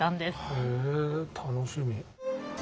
へえ楽しみ。